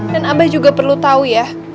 dan abah juga perlu tau ya